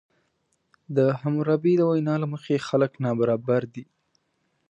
د حموربي د وینا له مخې خلک نابرابر دي.